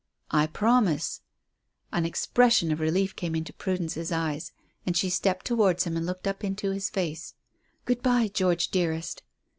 "I promise." An expression of relief came into Prudence's eyes, and she stepped towards him and looked up into his face. "Good bye, George, dearest."